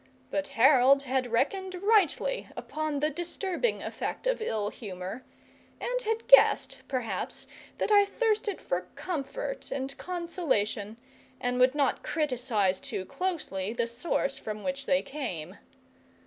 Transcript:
But Harold had reckoned rightly upon the disturbing effect of ill humour, and had guessed, perhaps, that I thirsted for comfort and consolation, and would not criticise too closely the source from which they came.